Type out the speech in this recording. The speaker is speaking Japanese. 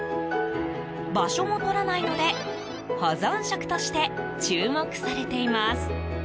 場所も取らないので保存食として注目されています。